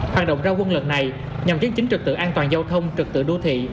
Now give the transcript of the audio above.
hoạt động ra quân lật này nhằm chứng chính trực tự an toàn giao thông trực tự đô thị